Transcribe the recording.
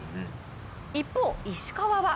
一方、石川は